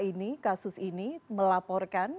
ini kasus ini melaporkan